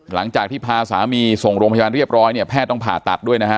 หลังจากที่พาสามีส่งโรงพยาบาลเรียบร้อยเนี่ยแพทย์ต้องผ่าตัดด้วยนะฮะ